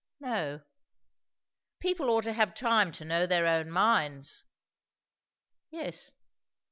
"No." "People ought to have time to know their own minds." "Yes."